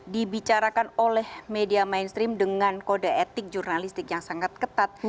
dibicarakan oleh media mainstream dengan kode etik jurnalistik yang sangat ketat